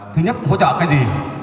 thứ nhất hỗ trợ cái gì